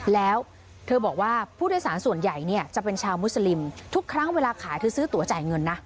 แล้วเธอบอกว่าผู้โดยสารส่วนใหญ่เนี่ยจะเป็นชาวมุสลิมทุกครั้งเวลาขายเธอซื้อตัวจ่ายเงินนะ